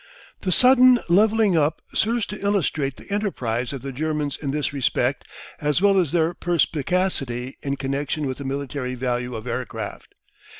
The sudden levelling up serves to illustrate the enterprise of the Germans in this respect as well as their perspicacity in connection with the military value of aircraft.